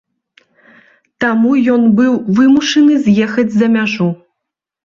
Таму ён быў вымушаны з'ехаць за мяжу.